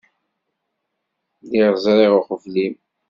Lliɣ ẓriɣ uqbel-im.